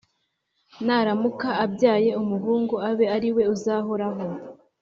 naramuka abyaye umuhungu abe ari we uzahora!"